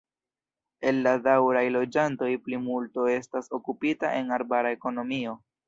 El la daŭraj loĝantoj plimulto estas okupita en arbara ekonomio.